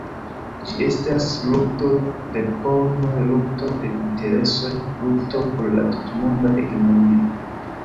Ĝi estas lukto de povoj, lukto de interesoj, lukto por la tutmonda hegemonio.